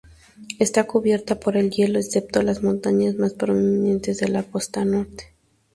Está cubierta por el hielo, excepto las montañas más prominentes de la costa norte.